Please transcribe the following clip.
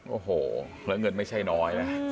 โอ้โหแล้วเงินไม่ใช่น้อยนะ